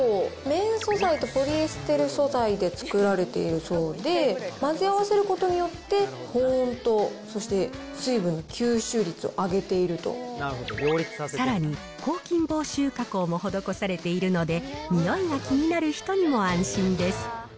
綿素材とポリエステル素材で作られているそうで、混ぜ合わせることによって、保温とそして、さらに、抗菌防臭加工も施されているので、においが気になる人にも安心です。